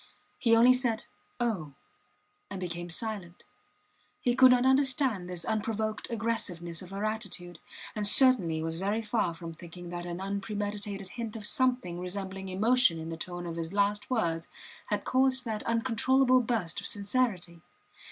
He only said oh! and became silent. He could not understand this unprovoked aggressiveness of her attitude, and certainly was very far from thinking that an unpremeditated hint of something resembling emotion in the tone of his last words had caused that uncontrollable burst of sincerity.